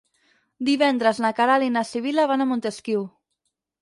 Divendres na Queralt i na Sibil·la van a Montesquiu.